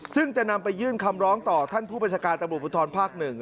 ซึ่งจะนำไปยื่นคำร้องต่อท่านผู้บริษัทการตะบุพุทธรภาคหนึ่ง